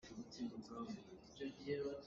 Pangpar ka'n pek.